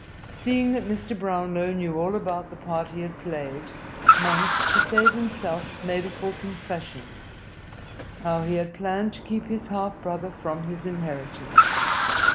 Seeing that Mr. Brownlow knew all about the part he had played, Monks, to save himself, made a full confession how he had planned to keep his half brother from his inheritance.